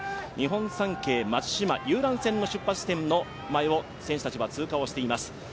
日本三景・松島、遊覧船の出発地点の前を選手たちは通過しています。